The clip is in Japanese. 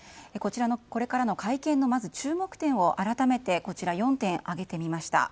こちらの会見の注目点を改めて４点挙げてみました。